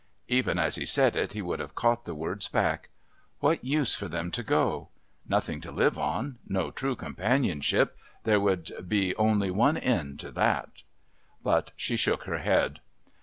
Even as he said it he would have caught the words back. What use for them to go? Nothing to live on, no true companionship ...there could be only one end to that. But she shook her head.